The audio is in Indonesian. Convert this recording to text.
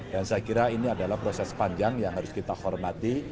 dan saya kira ini adalah proses panjang yang harus kita hormati